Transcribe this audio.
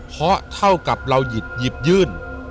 เพราะเท่ากับเราหยิบยื่น